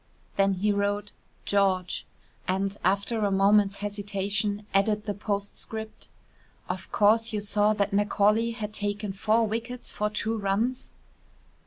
Then he wrote "George" and, after a moment's hesitation, added the postscript: "Of course you saw that Macaulay had taken four wickets for two runs?"